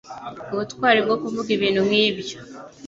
Ubutwari bwo kuvuga ibintu nkibyo